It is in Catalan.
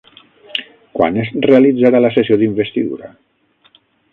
Quan es realitzarà la sessió d'investidura?